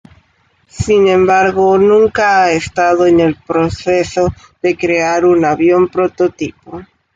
Sin embargo, nunca ha estado en el proceso de crear un avión prototipo.